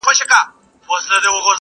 • چي هر څه تلاښ کوې نه به ټولیږي -